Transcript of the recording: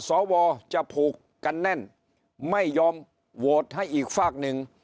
สวจะผูกกันแน่นไม่ยอมโหวตให้อีกฝากหนึ่ง